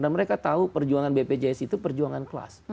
dan mereka tahu perjuangan bpjs itu perjuangan kelas